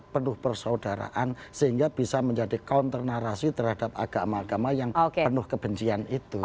penuh persaudaraan sehingga bisa menjadi counter narasi terhadap agama agama yang penuh kebencian itu